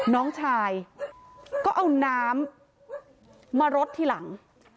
น้องชายก็เอาน้ำมารดทีหลัง